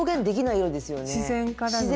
自然からのね。